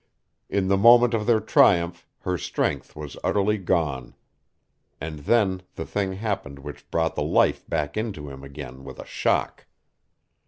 In the moment of their triumph her strength was utterly gone. And then the thing happened which brought the life back into him again with a shock.